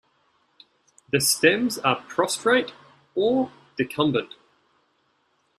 The stems are prostrate or decumbent.